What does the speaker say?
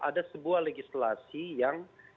ada sebuah legislasi yang